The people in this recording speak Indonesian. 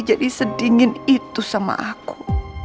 jadi sedingin itu sama aku